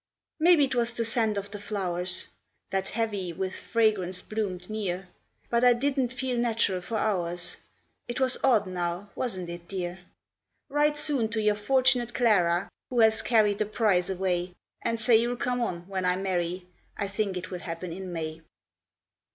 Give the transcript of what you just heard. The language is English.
Maybe 'twas the scent of the flowers, That heavy with fragrance bloomed near, But I didn't feel natural for hours; It was odd now, wasn't it, dear? Write soon to your fortunate Clara, Who has carried the prize away, And say you'll come on when I marry, I think it will happen in May.